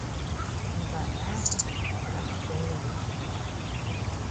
Un kā nāca, tā brakšķēja viss mežs.